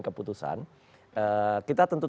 keputusan kita tentu